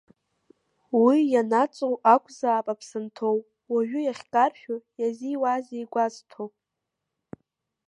Уи ианаҵоу акәзаап аԥсы анҭоу, уажәы иахькаршәу иазиуазеи игәазҭо…